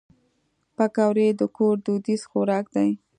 پکورې د کور دودیز خوراک دی